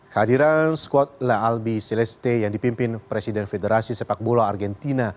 hadiran squad lealbi celeste yang dipimpin presiden federasi sepak bola argentina